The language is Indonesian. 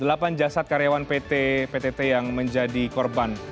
delapan jasad karyawan pt ptt yang menjadi korban